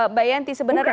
mbak yanti sebenarnya